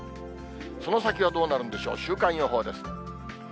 その先はどうなるんでしょう、週間予報です。